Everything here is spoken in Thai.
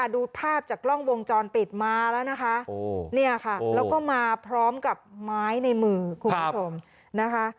ดูภาพจากกล้องวงจรปิดมาแล้วนะคะเนี่ยค่ะแล้วก็มาพร้อมกับไม้ในมือคุณผู้ชมนะคะ